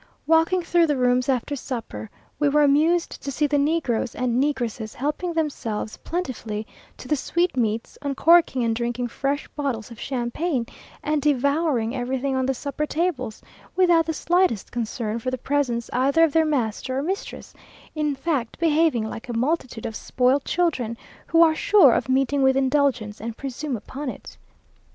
Walking through the rooms after supper, we were amused to see the negroes and negresses helping them selves plentifully to the sweetmeats, uncorking and drinking fresh bottles of Champagne, and devouring everything on the supper tables, without the slightest concern for the presence either of their master or mistress; in fact, behaving like a multitude of spoilt children, who are sure of meeting with indulgence, and presume upon it.